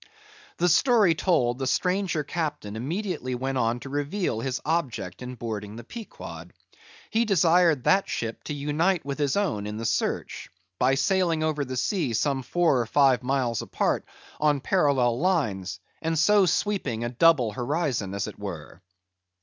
The story told, the stranger Captain immediately went on to reveal his object in boarding the Pequod. He desired that ship to unite with his own in the search; by sailing over the sea some four or five miles apart, on parallel lines, and so sweeping a double horizon, as it were.